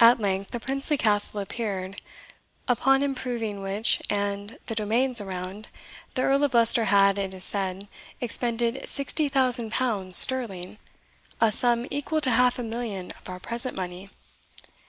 At length the princely Castle appeared, upon improving which, and the domains around, the Earl of Leicester had, it is said, expended sixty thousand pounds sterling, a sum equal to half a million of our present money.